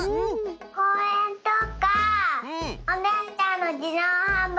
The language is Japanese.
こうえんとかおねえちゃんのじどうはんばいきとかいける。